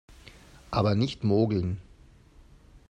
Aber nicht mogeln